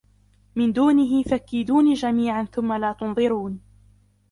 مِنْ دُونِهِ فَكِيدُونِي جَمِيعًا ثُمَّ لَا تُنْظِرُونِ